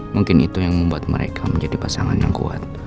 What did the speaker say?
mungkin itu yang membuat mereka menjadi pasangan yang kuat